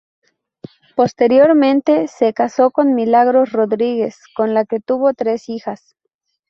Posteriormente se casó con Milagros Rodríguez con la que tuvo tres hijas.